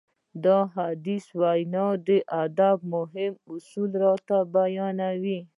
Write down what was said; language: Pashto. دا حديث د وينا د ادابو مهم اصول راته بيانوي.